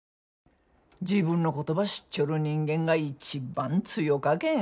自分のことば知っちょる人間が一番強かけん。